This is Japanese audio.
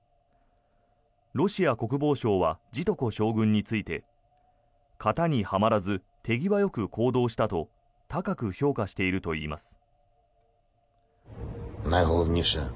ロシア国防省はジトコ将軍について型にはまらず手際よく行動したと高く評価していると言います。